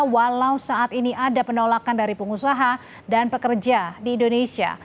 walau saat ini ada penolakan dari pengusaha dan pekerja di indonesia